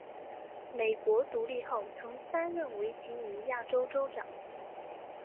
美国独立后曾三任维吉尼亚州州长。